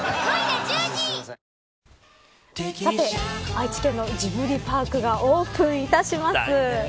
愛知県のジブリパークがオープンいたします。